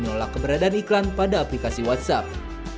menolak keberadaan iklan pada aplikasi whatsapp